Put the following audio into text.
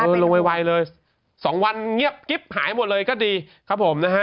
ลงไวเลย๒วันเงียบกิ๊บหายหมดเลยก็ดีครับผมนะฮะ